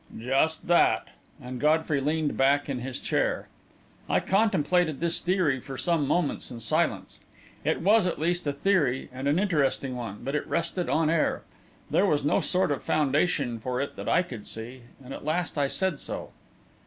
"Just that," and Godfrey leaned back in his chair. I contemplated this theory for some moments in silence. It was, at least, a theory and an interesting one but it rested on air. There was no sort of foundation for it that I could see, and at last I said so.